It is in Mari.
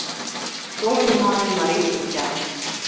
Шоло йымалне Мари шинча